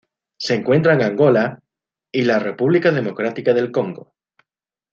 Se encuentra en Angola y la República Democrática del Congo.